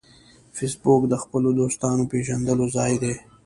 فېسبوک د خپلو دوستانو پېژندلو ځای دی